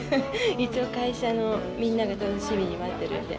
一応会社のみんなが楽しみに待ってるんで。